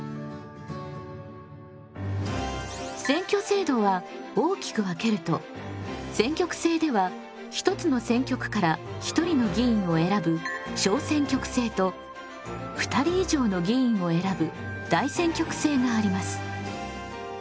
選挙制度は大きく分けると選挙区制ではひとつの選挙区から１人の議員を選ぶ小選挙区制と２人以上の議員を選ぶ大選挙区制があります。